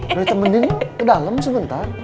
dari teman dini ke dalam sebentar